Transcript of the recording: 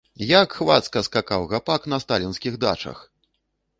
Як хвацка скакаў гапак на сталінскіх дачах!